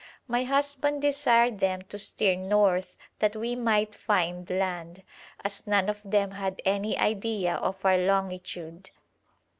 My husband desired them to steer north that we might find land, as none of them had any idea of our longitude.